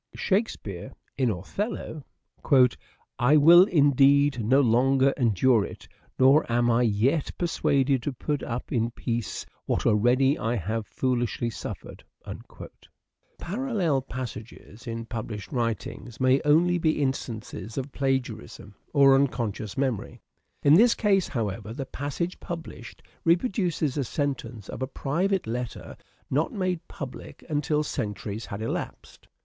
" Shakespeare " (in " Othello "):" I will indeed no longer endure it, nor am I yet per suaded to put up in peace what already I have foolishly suffered." Parallel passages in published writings may only be instances of plagiarism or unconscious memory. In this case, however, the passage published reproduces a sentence of a private letter not made public until centuries had elapsed.